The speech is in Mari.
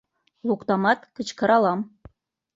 Луктамат, кычкыралам!»